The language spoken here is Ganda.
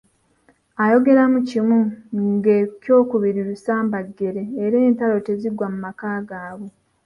Ayogeramu kimu ng'ekyokubiri lusambaggere era entalo teziggwa mu maka gaabwe.